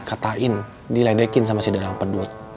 katain diledekin sama si dalam pedut